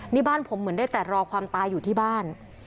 นี่บ้านผมเหมือนได้แต่รอความตายอยู่ที่บ้าน